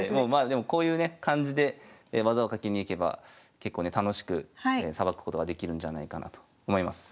でもこういうね感じで技をかけにいけば結構ね楽しくさばくことができるんじゃないかなと思います。